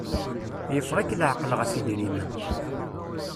Yeffeɣ-ik laɛqel ɣef idrimen.